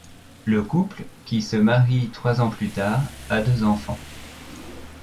Le couple, qui se marie trois ans plus tard, a deux enfants.